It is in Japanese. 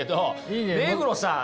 目黒さん